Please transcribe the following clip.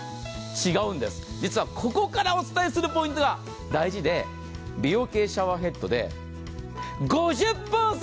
違うんです、実はここからお伝えするポイントが大事で美容系シャワーヘッドで５０％